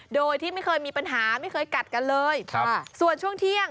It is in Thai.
โดยที่ไม่เคยมีปัญหาไม่เคยกัดกันเลยครับส่วนช่วงเที่ยง